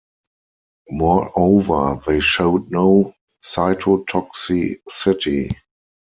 Moreover they showed no cytotoxicity.